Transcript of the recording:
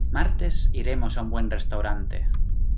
Martes iremos a un buen restaurante.